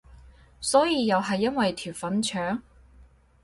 所以又係因為條粉腸？